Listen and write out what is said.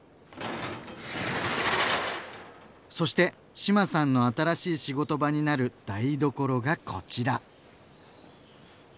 そして志麻さんの新しい仕事場になる台所がこちら。